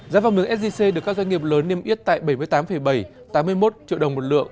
giá vàng miếng sgc được các doanh nghiệp lớn niêm yết tại bảy mươi tám bảy tám mươi một triệu đồng một lượng